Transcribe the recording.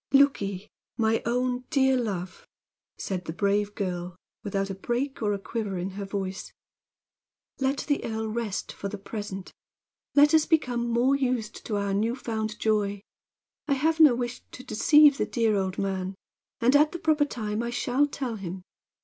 "Look ye, my own dear love," said the brave girl, without a break or a quiver in her voice, "let the earl rest for the present. Let us become more used to our new found joy. I have no wish to deceive the dear old man, and at a proper time I shall tell him.